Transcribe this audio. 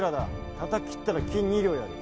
たたき斬ったら金２両やる。